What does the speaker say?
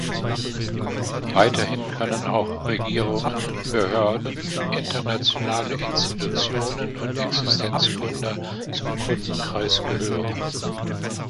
Weiterhin können auch Regierungen, Behörden, internationale Institutionen und Existenzgründer zum Kundenkreis gehören.